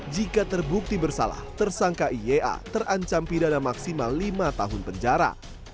jika terbukti bersalah tersangka iya terancam pidana maksimal lima tahun penjara